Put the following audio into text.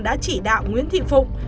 đã chỉ đạo nguyễn thị phụng